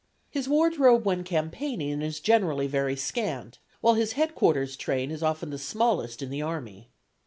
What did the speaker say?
His wardrobe when campaigning is generally very scant, while his headquarters train is often the smallest in the army.